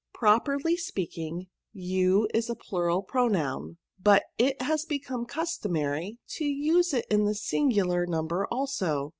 " Properly speaking, you is a plural pronoun; but it has become customary to use it in the sin gular number also.